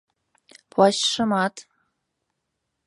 Плащшымат.